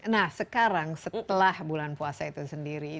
nah sekarang setelah bulan puasa itu sendiri